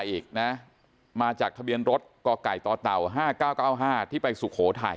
๕๙๙๕อีกนะมาจากทะเบียนรถกกตต๕๙๙๕ที่ไปสุโขทัย